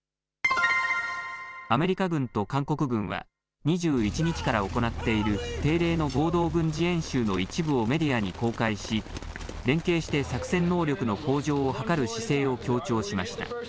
アメリカ軍と韓国軍は２１日から行っている定例の合同軍事演習の一部をメディアに公開し連携して作戦能力の向上を図る姿勢を強調しました。